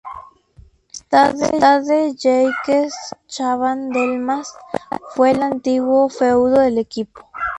Stade Jacques Chaban-Delmas, Fue el antiguo feudo del equipo.